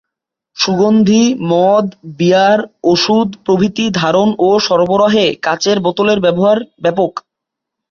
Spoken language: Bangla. সুগন্ধি, মদ, বিয়ার, ওষুধ প্রভৃতি ধারণ ও সরবরাহে কাঁচের বোতলের ব্যবহার ব্যাপক।